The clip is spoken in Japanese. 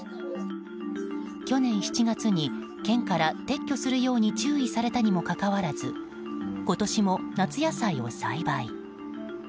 去年７月に県から撤去するように注意されたにもかかわらず今年も夏野菜を栽培。